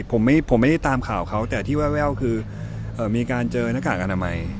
ผมไม่ได้ตามข่าวเขาแต่ที่แววคือมีการเจอหน้ากากอนามัย